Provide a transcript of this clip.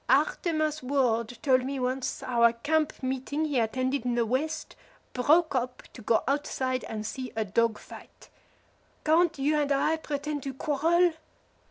Artemas Ward told me once how a camp meeting he attended in the West broke up to go outside and see a dog fight. Can't you and I pretend to quarrel?